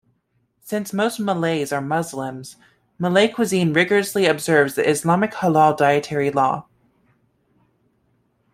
Since most Malays are Muslims, Malay cuisine rigorously observes the Islamic halal dietary law.